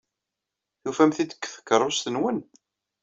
Tufam-t-id deg tkeṛṛust-nwen?